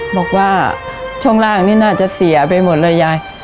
บอกว่าช่องล่างนี่น่าจะเสียไปหมดเลยยาย